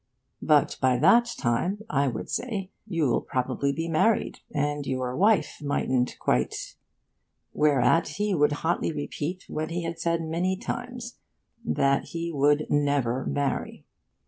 'But by that time,' I would say, 'you'll probably be married, and your wife mightn't quite ', whereat he would hotly repeat what he had said many times: that he would never marry.